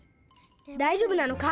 だいじょうぶなのか？